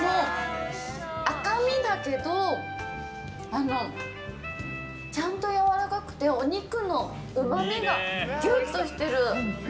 赤身だけどちゃんとやわらかくてお肉のうまみがギュッとしてる。